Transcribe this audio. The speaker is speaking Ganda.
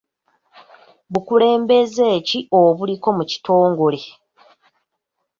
Bukulembeze ki obuliko mu kitongole?